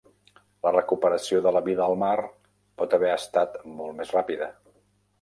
La recuperació de la vida al mar pot haver estat molt més ràpida.